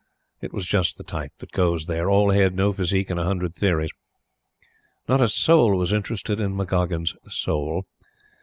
He was just the type that goes there all head, no physique and a hundred theories. Not a soul was interested in McGoggin's soul.